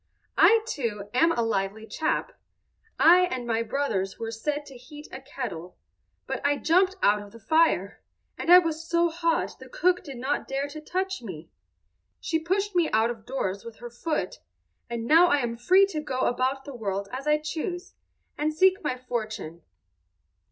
"I, too, am a lively chap. I and my brothers were set to heat a kettle, but I jumped out of the fire, and I was so hot the cook did not dare to touch me. She pushed me out of doors with her foot, and now I am free to go about the world as I choose, and seek my fortune."